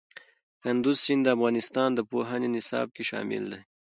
کندز سیند د افغانستان د پوهنې نصاب کې شامل دی.